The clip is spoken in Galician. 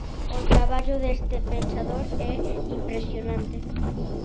O traballo deste pensador é impresionante.